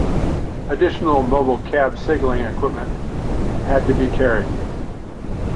Additional mobile cab signalling equipment had to be carried.